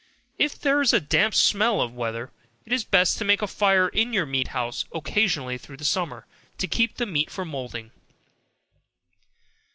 If there is a damp spell of weather, it is best to make a fire in your meat house occasionally through the summer, to keep the meat from moulding.